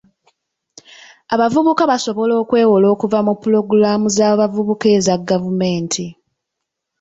Abavubuka basobola okwewola okuva mu pulogulaamu z'abavubuka eza gavumenti.